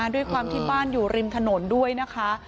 ด้วยความที่บ้านอยู่ริมถนนด้วยนะคะ